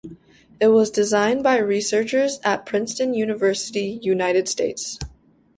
It was designed by researchers at Princeton University, United States.